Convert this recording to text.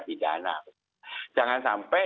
pidana jangan sampai